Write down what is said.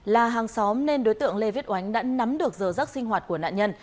là hàng xóm nên đối tượng lê viết oánh đã nắm được giờ rắc sinh hoạt của nạn nhân